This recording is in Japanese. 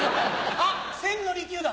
あっ千利休だ！